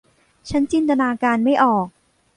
ฉันจินตนาการไม่ออก